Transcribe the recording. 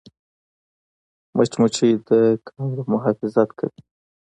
مچمچۍ د کندو محافظت کوي